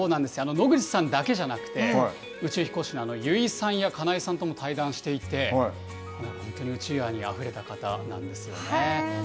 野口さんだけじゃなくて、宇宙飛行士の油井さんや金井さんとも対談していて、本当に宇宙愛にあふれた方なんですよね。